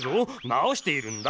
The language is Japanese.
なおしているんだ。